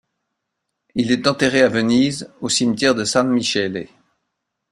Il est enterré à Venise, au cimetière de San Michele.